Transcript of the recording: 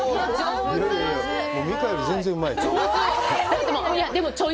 美佳より全然うまい。